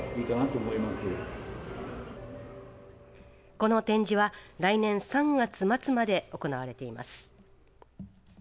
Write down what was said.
この展示は来年３月末まで行われています。